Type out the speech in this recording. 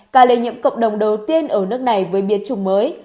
ca lây nhiễm cộng đồng đầu tiên ở nước này với biến chủng mới